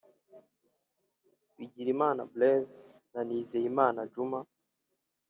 Bigirimana Blaise na Nizeyimana Djuma